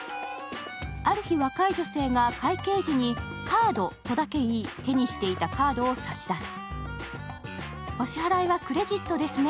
ある日、若い女性が会計時にカードとだけ言い、手にしていたカードを差し出す。